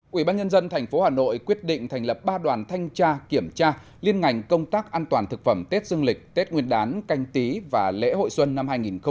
quỹ ban nhân dân tp hà nội quyết định thành lập ba đoàn thanh tra kiểm tra liên ngành công tác an toàn thực phẩm tết dương lịch tết nguyên đán canh tí và lễ hội xuân năm hai nghìn hai mươi